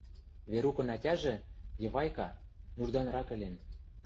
Верукын ӓтяжӹ — Йывайка — нужданрак ӹлен.